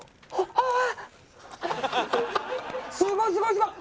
すごいすごいすごい！